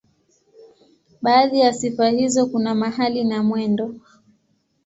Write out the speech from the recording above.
Baadhi ya sifa hizo kuna mahali na mwendo.